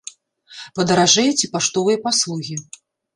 Падаражэюць і паштовыя паслугі.